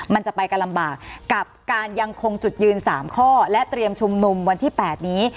มันจะไปกันลำบากกับการยังคงจุดยืน๓ข้อและเตรียมชุมนุมวันที่๘นี้